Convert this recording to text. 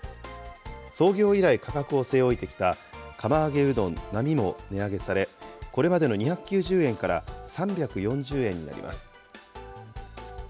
創業以来価格を据え置いてきた釜揚げうどん・並も値上げされ、これまでの２９０円から３４０円になります。